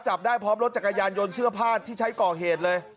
จับได้พร้อมรถจักรยานยนต์เสื้อผ้าที่ใช้ก่อเหตุเลย